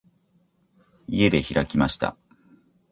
家で開きました。